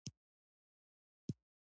زه ستا څخه هیڅ پیسې نه غواړم.